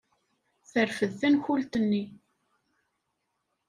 Terfed tankult-nni.